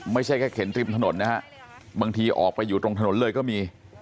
ไม่ใช่แค่เข็นริมถนนนะฮะบางทีออกไปอยู่ตรงถนนเลยก็มี